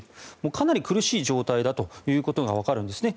かなり苦しい状態だということがわかるんですね。